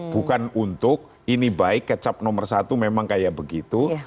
bukan untuk ini baik kecap nomor satu memang kayak begitu